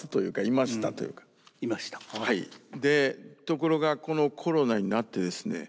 ところがこのコロナになってですね